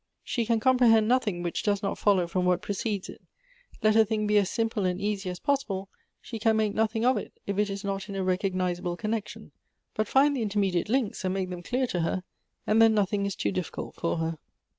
She can comprehend nothing which does not follow from what precedes it ; let a thing be as simple and easy as possible, she can make nothing of it if it is not in a recognizable connection ; but find the intermediate links, and make them clear to her, and then nothing is too diffi cult for her.